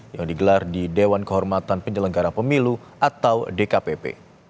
yang digelar di dewan kehormatan penyelenggara pemilu atau dkpp